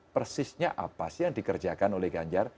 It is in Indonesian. persisnya apa sih yang dikerjakan oleh ganjar